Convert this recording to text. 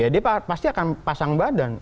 dia pasti akan pasang badan